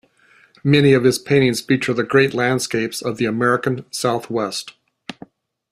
Many of his paintings feature the great landscapes of the American Southwest.